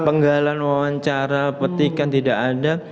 penggalan wawancara petikan tidak ada